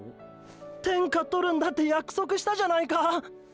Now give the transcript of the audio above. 天下とるんだって約束したじゃないか！！